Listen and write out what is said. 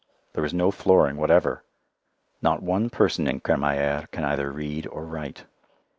There is no flooring whatever. Not one person in Crémaillière can either read or write.